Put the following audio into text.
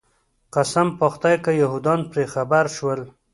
قسم په خدای که یهودان پرې خبر شول.